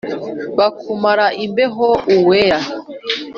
bakumare imbeho uwera